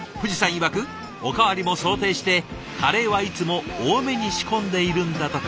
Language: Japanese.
いわくおかわりも想定してカレーはいつも多めに仕込んでいるんだとか。